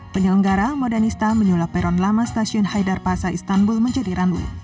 penyelenggara modenista menyulap peron lama stasiun haidar pasa istanbul menjadi runway